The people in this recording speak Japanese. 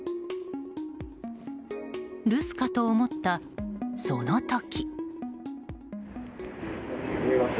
留守かと思ったその時。